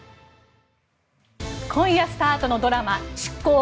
今夜スタートのドラマ「シッコウ！！